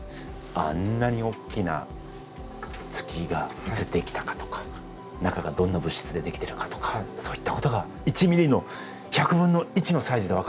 あんなにおっきな月がいつできたかとか中がどんな物質でできてるかとかそういったことが１ｍｍの１００分の１のサイズで分かるんですね。